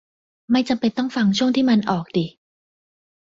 ไม่จำเป็นต้องฟังช่วงที่มันออกดิ